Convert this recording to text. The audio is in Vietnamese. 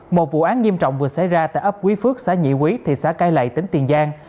một vụ án nghiêm trọng vừa xảy ra tại ấp quý phước xã nhị quý thị xã cai lậy tỉnh tiền giang